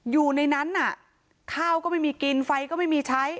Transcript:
อยู่ในนั้นน่ะข้าวก็ไม่มีกินไฟก็ไม่มีใช้